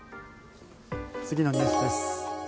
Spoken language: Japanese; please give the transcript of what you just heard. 次のニュースです。